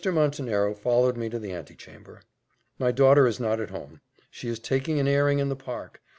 Montenero followed me to the antechamber. "My daughter is not at home she is taking an airing in the park.